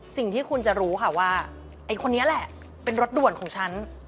สิ่งที่คุณจะรู้ค่ะว่าไอ้คนนี้แหละเป็นรถด่วนของฉัน